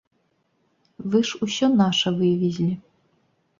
Вы ж усё наша вывезлі.